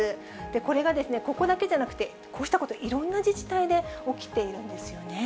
これがですね、ここだけじゃなくて、こうしたこと、いろんな自治体で起きているんですよね。